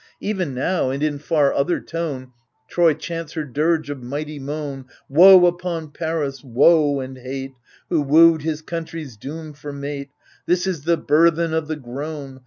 Even now, and in far other tone, Troy chants her dirge of mighty moan, Woe upon Paris ^ woe and hate / Who wooed his country s doom for mate — This is the burthen of the groan.